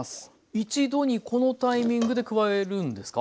一度にこのタイミングで加えるんですか？